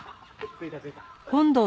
着いた着いた！